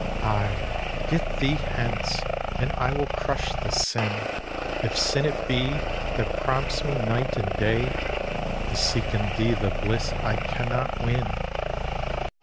Aye, get thee hence! And I will crush the sin, If sin it be, that prompts me, night and day, To seek in thee the bliss I cannot win.